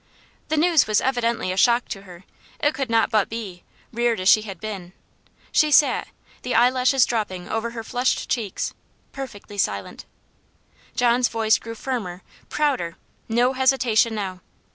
The news was evidently a shock to her it could not but be, reared as she had been. She sat the eye lashes dropping over her flushed cheeks perfectly silent. John's voice grew firmer prouder no hesitation now.